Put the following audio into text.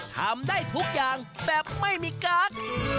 ทำได้ทุกอย่างแบบไม่มีกั๊ก